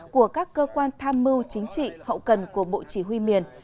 của các cơ quan tham mưu chính trị hậu cần của bộ chỉ huy miền